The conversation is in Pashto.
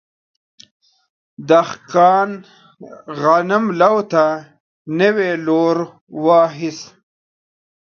دهقان غنم لو ته نوی لور واخیست.